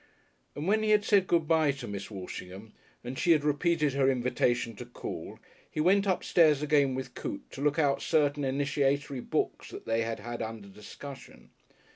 And when he had said "Good bye" to Miss Walshingham and she had repeated her invitation to call, he went upstairs again with Coote to look out certain initiatory books they had had under discussion.